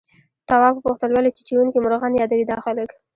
تواب وپوښتل ولې چیچونکي مرغان يادوي دا خلک؟